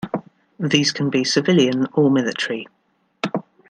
These can be civilian or military.